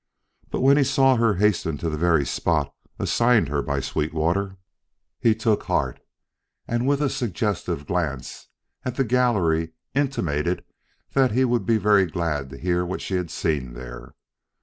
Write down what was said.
But when he saw her hasten to the very spot assigned her by Sweetwater, he took heart and with a suggestive glance at the gallery intimated that he would be very glad to hear what she had seen there.